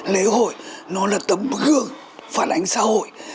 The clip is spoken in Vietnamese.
lễ hội nó là tấm gương phản ánh xã hội